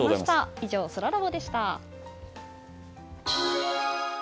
以上、そらラボでした。